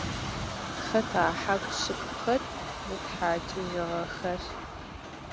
Xeta hakhu - şşıkhuxer zıthaç'ıjığexer?